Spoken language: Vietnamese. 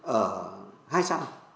ở hai xã này